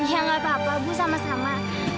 ya gak apa apa bu sama sama